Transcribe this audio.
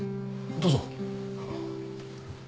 どうぞ。